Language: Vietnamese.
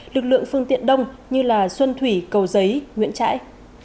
lực lượng phương tiện đông như xuân thủy cầu giấy nguyễn trãi